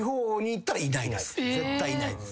絶対いないです。